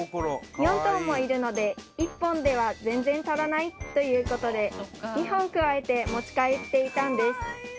４頭もいるので１本では全然足らないということで２本くわえて持ち帰っていたんです